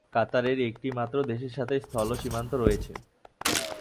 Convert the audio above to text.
কাতারের একটি মাত্র দেশের সাথে স্থল সীমান্ত রয়েছে।